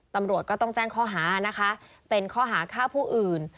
ตำรวจก็ต้องแจ้งข้อหานะคะเป็นข้อหาฆ่าผู้อื่น